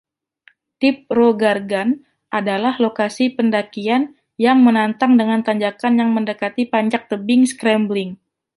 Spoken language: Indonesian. Tibrogargan adalah lokasi pendakian yang menantang dengan tanjakan yang mendekati panjat tebing scrambling.